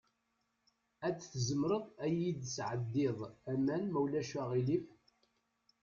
Ad tizmireḍ ad iyi-d-tesɛeddiḍ aman, ma ulac aɣilif?